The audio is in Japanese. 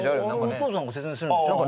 お父さんが説明するんでしょ？